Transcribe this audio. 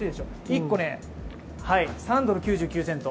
１個３ドル９９セント。